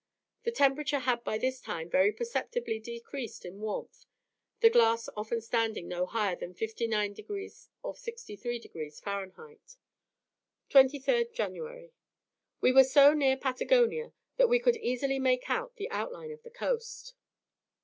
The temperature had by this time very perceptibly decreased in warmth, the glass often standing no higher than 59 or 63 degrees Fah. 23rd January. We were so near Patagonia that we could distinctly make out the outline of the coast.